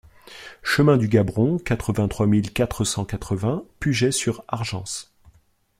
Chemin du Gabron, quatre-vingt-trois mille quatre cent quatre-vingts Puget-sur-Argens